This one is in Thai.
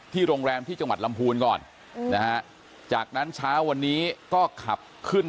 โรงแรมที่จังหวัดลำพูนก่อนนะฮะจากนั้นเช้าวันนี้ก็ขับขึ้น